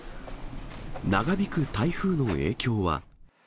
長引く台風の影響は。